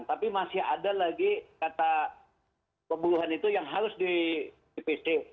tapi masih ada lagi kata pembunuhan itu yang harus di pc